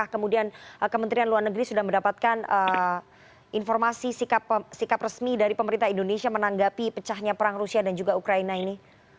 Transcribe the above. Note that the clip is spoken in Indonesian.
kemudian kementerian luar negeri sudah mendapatkan informasi sikap resmi dari pemerintah indonesia menanggapi pecahnya perang rusia dan juga ukraina ini